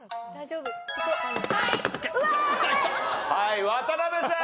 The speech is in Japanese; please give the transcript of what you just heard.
はい渡辺さん。